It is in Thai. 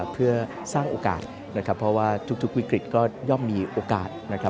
เพื่อสร้างโอกาสเพราะว่าทุกวิกฤตก็ยอมมีโอกาส